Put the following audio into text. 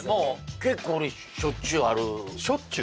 結構しょっちゅうあるよしょっちゅう？